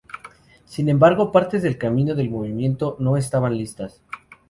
Sin embargo, partes del camino del movimiento no estaban listas.